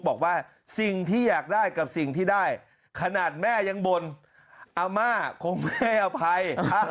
บอกว่าสิ่งที่อยากได้กับสิ่งที่ได้ขนาดแม่ยังบ่นอาม่าคงไม่ให้อภัย